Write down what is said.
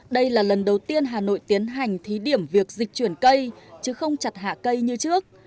đây là lần đầu tiên hà nội tiến hành thí điểm việc dịch chuyển cây chứ không chặt hạ cây như trước